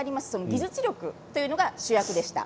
技術力というものが主役でした。